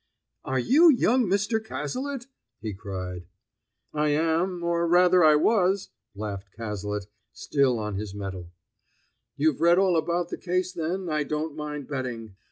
"Are you young Mr. Cazalet?" he cried. "I am, or rather I was," laughed Cazalet, still on his mettle. "You've read all about the case then, I don't mind betting!"